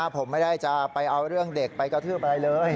ผมไม่ได้จะไปเอาเรื่องเด็กไปกระทืบอะไรเลย